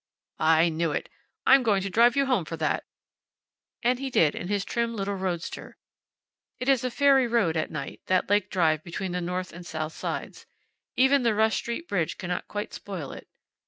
"I knew it. I'm going to drive you home for that." And he did, in his trim little roadster. It is a fairy road at night, that lake drive between the north and south sides. Even the Rush street bridge cannot quite spoil it.